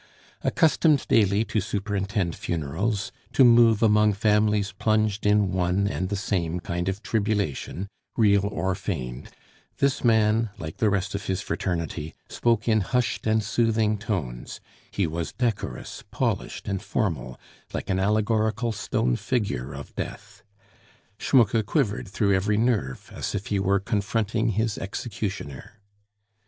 Accustomed daily to superintend funerals, to move among families plunged in one and the same kind of tribulation, real or feigned, this man, like the rest of his fraternity, spoke in hushed and soothing tones; he was decorous, polished, and formal, like an allegorical stone figure of Death. Schmucke quivered through every nerve as if he were confronting his executioner.